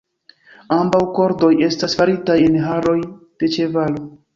Ambaŭ kordoj estas faritaj en haroj de ĉevalo.